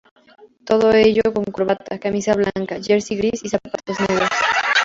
Todo ello con corbata, camisa blanca, jersey gris y zapatos negros.